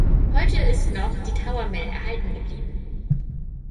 Heute ist noch die Tower Mill erhalten geblieben.